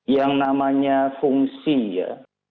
yang namanya fungsi ya